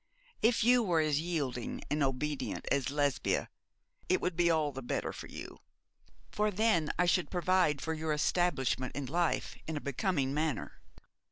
If you were as yielding and obedient as Lesbia it would be all the better for you; for then I should provide for your establishment in life in a becoming manner.